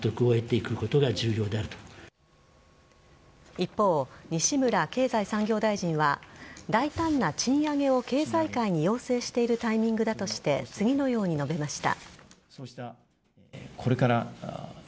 一方、西村経済産業大臣は大胆な賃上げを経済界に要請しているタイミングだとして次のように述べました。